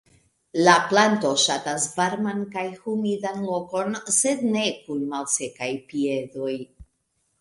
La planto ŝatas varman kaj humidan lokon, sed ne kun "malsekaj piedoj".